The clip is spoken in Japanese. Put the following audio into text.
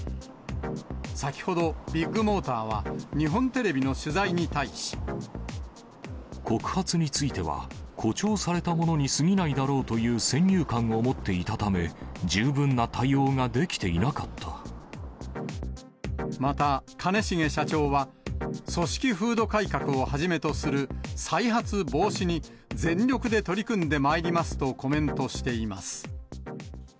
先ほど、ビッグモーターは、告発については、誇張されたものにすぎないだろうという先入観を持っていたため、また、兼重社長は、組織風土改革をはじめとする再発防止に全力で取り組んでまいりますとコメントしています。